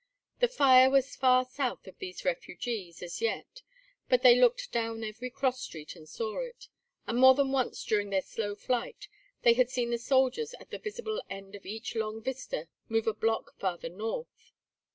The fire was far south of these refugees as yet, but they looked down every cross street and saw it; and more than once during their slow flight they had seen the soldiers at the visible end of each long vista move a block farther north.